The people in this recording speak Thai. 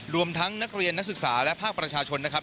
รวมทั้งนักเรียนนักศึกษาและภาคประชาชนนะครับ